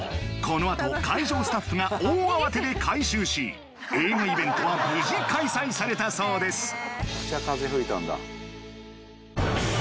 このあと会場スタッフが大慌てで回収し映画イベントは無事開催されたそうです